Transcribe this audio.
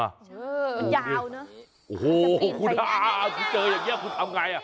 มันยาวเนอะมันจะปีนไปได้โอ้โหคุณฮาคุณเจออย่างเงี้ยคุณทำไง